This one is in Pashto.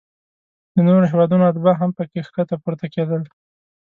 د نورو هیوادونو اتباع هم پکې ښکته پورته کیدل.